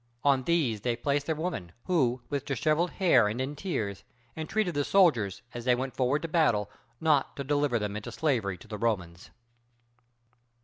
On these they placed their women, who, with disheveled hair and in tears, entreated the soldiers, as they went forward to battle, not to deliver them into slavery to the Romans.